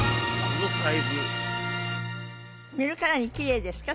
見るからにきれいですか？